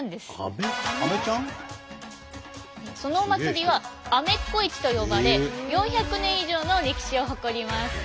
そのお祭りは「アメッコ市」と呼ばれ４００年以上の歴史を誇ります。